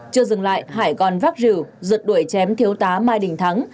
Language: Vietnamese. chưa dừng lại hải còn vác rìu rượt đuổi chém thiếu tá mai đình thắng